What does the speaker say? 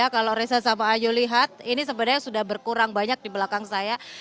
kalau reza sama ayu lihat ini sebenarnya sudah berkurang banyak di belakang saya